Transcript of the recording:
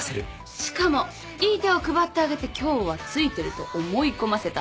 しかもいい手を配ってあげて今日はついてると思い込ませた。